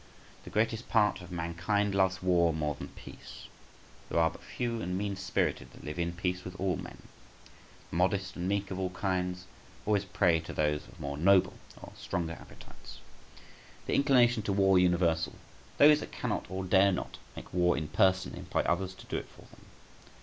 The greatest part of mankind loves war more than peace. They are but few and mean spirited that live in peace with all men. The modest and meek of all kinds always a prey to those of more noble or stronger appetites. The inclination to war universal; those that cannot or dare not make war in person employ others to do it for them.